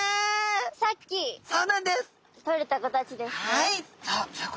はい。